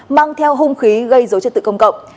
mang theo hung khí gây dấu chất tự công cộng